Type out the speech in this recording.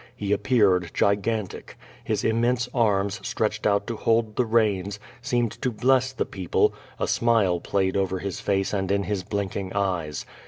He appeared gigantic. His immense arms stretched out to hold the reins, seemed to bless the people, a smile played over his face and in his blinking eyes.